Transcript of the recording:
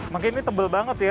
mungkin ini tebel banget ya